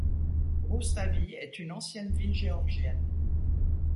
Roustavi est une ancienne ville Géorgienne.